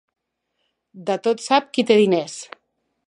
De tot sap qui té diners.